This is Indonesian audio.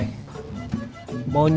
bapak kena bantu ya